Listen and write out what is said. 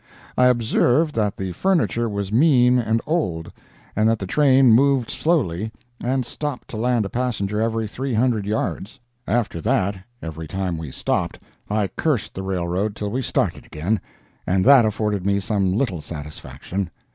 I observed that the furniture was mean and old, and that the train moved slowly, and stopped to land a passenger every three hundred yards. After that, every time we stopped I cursed the railroad till we started again, and that afforded me some little satisfaction.